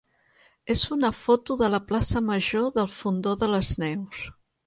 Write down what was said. és una foto de la plaça major del Fondó de les Neus.